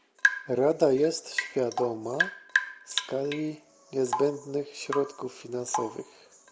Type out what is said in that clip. Rada jest świadoma skali niezbędnych środków finansowych